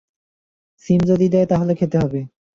সিম যদি দেয় তাহলে খেতে হবে।